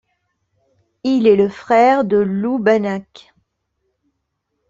Il est le frère de Lou Banach.